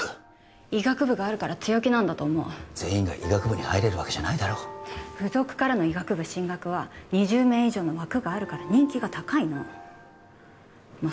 医学部があるから強気なんだと思う全員が医学部に入れるわけじゃないだろ附属からの医学部進学は２０名以上の枠があるから人気が高いのまあ